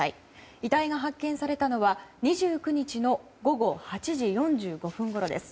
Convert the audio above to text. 遺体が発見されたのは、２９日の午後８時４５分ごろです。